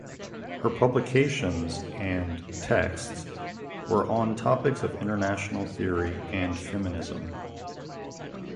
Her publications and texts were on topics of international theory and feminism.